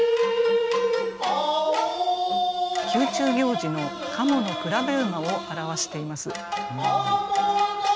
宮中行事の「賀茂の競馬」を表しています。